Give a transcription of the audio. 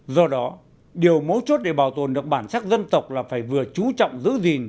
do đó điều mấu chốt để bảo tồn được bản sắc dân tộc là phải vừa chú trọng giữ gìn